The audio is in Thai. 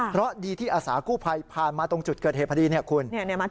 เพราะดีที่อาสากู้ภัยผ่านมาตรงจุดเกิดเหตุพอดีเนี่ยคุณ